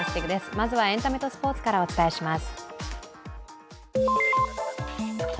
まずはエンタメとスポーツからお伝えします。